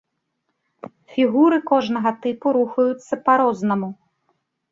Фігуры кожнага тыпу рухаюцца па-рознаму.